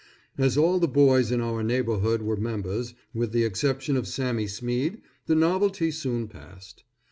As all the boys in our neighbourhood were members, with the exception of Sammy Smead, the novelty soon passed.